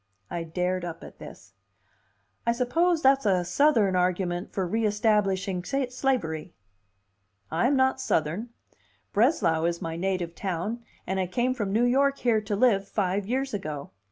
I dared up at this. "I suppose that's a Southern argument for reestablishing slavery." "I am not Southern; Breslau is my native town, and I came from New York here to live five years ago.